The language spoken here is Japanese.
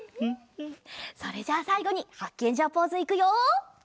それじゃあさいごにハッケンジャーポーズいくよ！